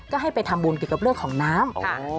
ก็ให้ไปทำบุญเกี่ยวกับเรื่องของน้ำ